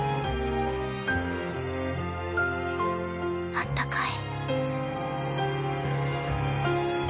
あったかい。